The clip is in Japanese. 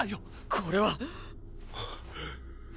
これは！